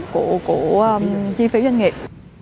của chi phí doanh nghiệp